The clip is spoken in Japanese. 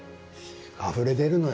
あふれ出るのよ